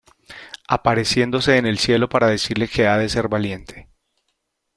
apareciéndose en el cielo para decirle que ha de ser valiente